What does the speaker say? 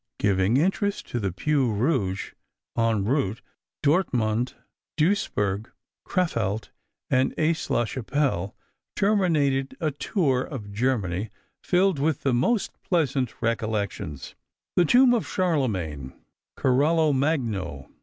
giving interest to the Peau Rouge, en route), Dortmund, Duisburg, Crefeld, and Aix la Chapelle, terminated a tour of Germany filled with the most pleasant recollections. The tomb of Charlemagne (Carolo Magno)!